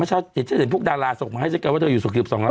ไม่ใช่ว่าเจ็บพูดาราทองขุมมาให้ก็ว่าจะอยู่ศึก๑๒ละ๔